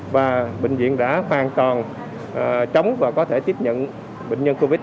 và bệnh viện đã hoàn toàn chống và có thể tiếp nhận bệnh nhân covid một